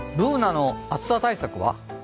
Ｂｏｏｎａの暑さ対策は？